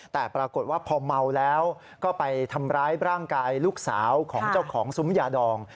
แต่ปรากฏว่าพอเมาแล้วก็ไปทำร้ายร่างกายลูกสาวของเจ้าของซุ้มยาดอง